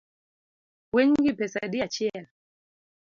Winygi pesa adi achiel?